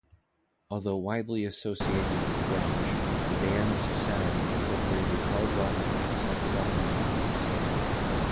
Although widely associated with grunge, the band's sound incorporated hard rock and psychedelic elements.